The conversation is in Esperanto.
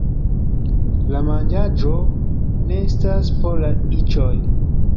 La manĝaĵo ne estas por la iĉoj